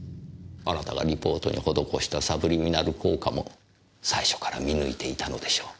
あなたがリポートに施したサブリミナル効果も最初から見抜いていたのでしょう。